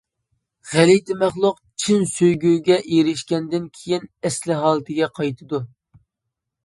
غەلىتە مەخلۇق چىن سۆيگۈگە ئېرىشكەندىن كېيىن ئەسلى ھالىتىگە قايتىدۇ.